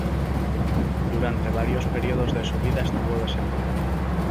Durante varios períodos de su vida estuvo desempleado.